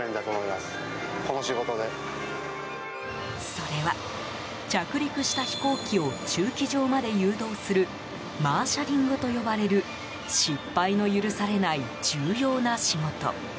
それは、着陸した飛行機を駐機場まで誘導するマーシャリングと呼ばれる失敗の許されない重要な仕事。